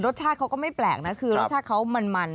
รสชาติเขาก็ไม่แปลกนะคือรสชาติเขามัน